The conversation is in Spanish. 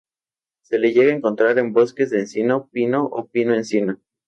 Se le llega a encontrar en bosques de encino, pino o pino-encino.